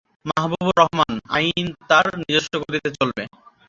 মাহবুবুর রহমানআইন তার নিজস্ব গতিতে চলবে।